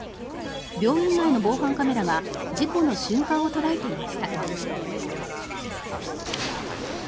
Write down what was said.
病院内の防犯カメラが事故の瞬間を捉えていました。